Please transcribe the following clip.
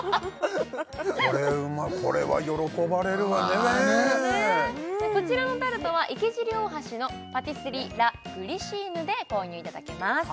これうまこれは喜ばれるわねぇこちらのタルトは池尻大橋のパティスリーラ・グリシーヌで購入いただけます